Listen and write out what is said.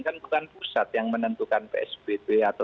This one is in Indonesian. kan bukan pusat yang menentukan psbb atau